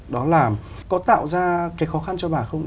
đó là có tạo ra cái khó khăn cho bà không